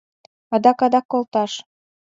— Адак-адак колташ!